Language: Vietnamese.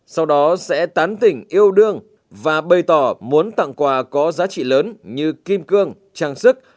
sau đó sẽ tán tỉnh yêu đương và bày tỏ muốn tặng quà có giá trị lớn như kim cương trang sức